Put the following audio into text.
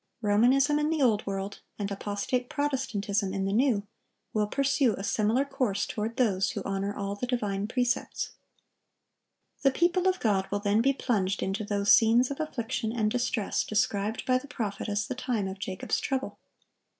Romanism in the Old World, and apostate Protestantism in the New, will pursue a similar course toward those who honor all the divine precepts. The people of God will then be plunged into those scenes of affliction and distress described by the prophet as the time of Jacob's trouble.